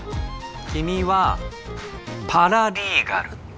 君はパラリーガル！